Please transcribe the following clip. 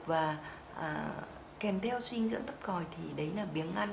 và kèm theo suy dinh dưỡng thấp còi thì đấy là biếng ăn